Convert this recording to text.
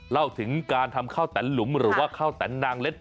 เล่าถึงการทำข้าวแตนหลุมหรือว่าข้าวแตนนางเล็ด